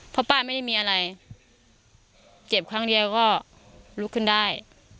เพราะป้าไม่ได้มีอะไรเจ็บครั้งเดียวก็ลุกขึ้นได้